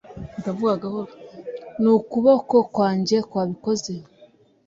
Ni ukuboko kwanjye kwabikoze